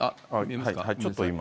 ちょっと今。